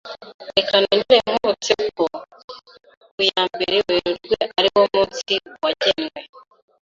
Reka nongere nkwibutse ko ku ya mbere Werurwe ariwo munsi wagenwe.